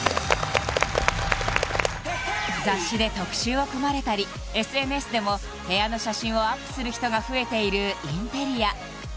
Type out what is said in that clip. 雑誌で特集を組まれたりＳＮＳでも部屋の写真をアップする人が増えているインテリア